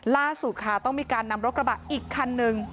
ล่าสุดค่ะต้องมีการนำรถกระบะอีกคันหนึ่ง